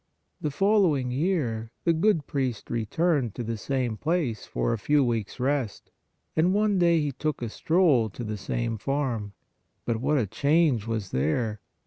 The following year the good priest returned to the same place for a few weeks rest; and one day he took a stroll to the same farm. But what a change was there!